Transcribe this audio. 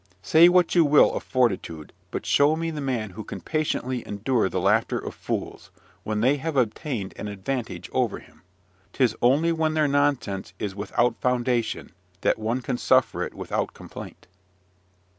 Say what you will of fortitude, but show me the man who can patiently endure the laughter of fools, when they have obtained an advantage over him. 'Tis only when their nonsense is without foundation that one can suffer it without complaint.